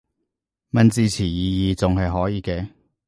問字詞意義仲係可以嘅